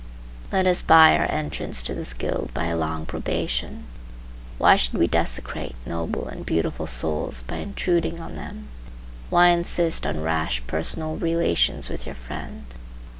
Let us buy our entrance to this guild by a long probation. Why should we desecrate noble and beautiful souls by intruding on them? Why insist on rash personal relations with your friend?